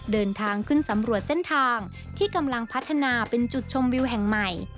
เดินทางขึ้นสำรวจเส้นทางที่กำลังพัฒนาเป็นจุดชมวิวแห่งใหม่